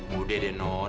tuh udah deh non